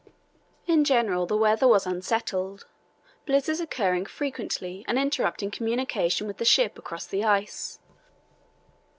"In general the weather was unsettled, blizzards occurring frequently and interrupting communication with the ship across the ice.